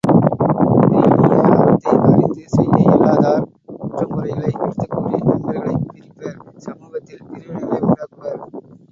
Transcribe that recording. இந்த இனிய அறத்தை அறிந்து செய்ய இயலாதார் குற்றங் குறைகளை எடுத்துக்கூறி நண்பர்களைப் பிரிப்பர் சமூகத்தில் பிரிவினைகளை உண்டாக்குவர்.